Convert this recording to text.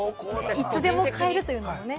いつでも買えるというのがね。